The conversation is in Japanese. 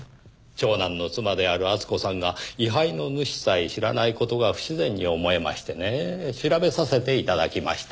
長男の妻である厚子さんが位牌の主さえ知らない事が不自然に思えましてね調べさせて頂きました。